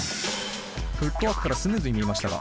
フットワークからスムーズに見えましたが。